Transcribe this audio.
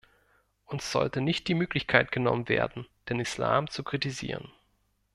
Uns sollte nicht die Möglichkeit genommen werden, den Islam zu kritisieren.